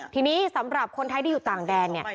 ทีนี้สำหรับคนไทยที่อยู่ต่างแดนเนี่ย